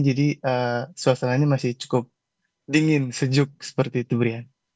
jadi suasananya masih cukup dingin sejuk seperti itu brian